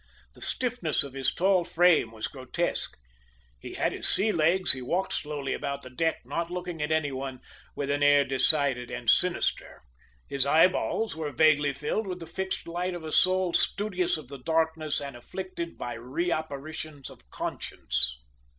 The stiffness of his tall frame was grotesque. He had his sea legs, he walked slowly about the deck, not looking at any one, with an air decided and sinister. His eyeballs were vaguely filled with the fixed light of a soul studious of the darkness and afflicted by reapparitions of conscience.